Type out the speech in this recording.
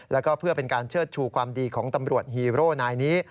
แล้วก็เพื่อเป็นการเชิดชูความดีของตำรวจฮีโร่นายนี้